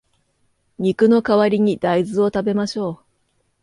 肉の代わりに大豆を食べましょう